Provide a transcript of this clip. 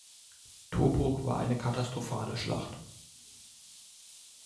Tobruk war eine katastrophale Schlacht.